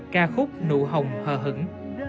ca khúc nụ hồng hờ hững